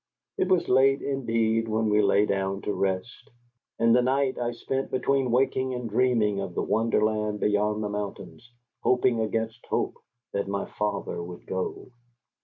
It was late indeed when we lay down to rest, and the night I spent between waking and dreaming of the wonderland beyond the mountains, hoping against hope that my father would go.